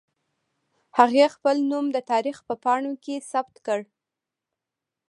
هغې خپل نوم د تاریخ په پاڼو کې ثبت کړ